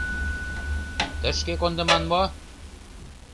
Тышке кондыман мо!